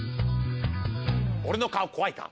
俺の顔怖いか？